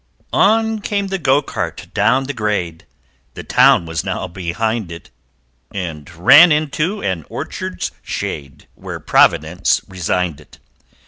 On came the Go cart down the grade (The town was now behind it) And ran into an orchard's shade Where Providence resigned it!